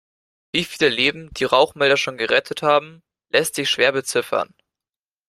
Wie viele Leben die Rauchmelder schon gerettet haben, lässt sich schwer beziffern.